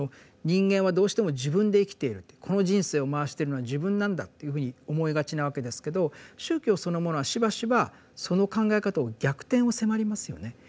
人間はどうしても自分で生きているとこの人生を回してるのは自分なんだというふうに思いがちなわけですけど宗教そのものはしばしばその考え方を逆転を迫りますよね。